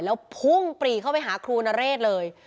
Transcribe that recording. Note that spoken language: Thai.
แล้วพุ่งปรีเข้าไปหาครูนเรศเลย